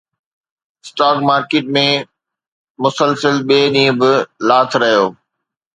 stock market ۾ مسلسل ٻئي ڏينهن به لاٿ رهيو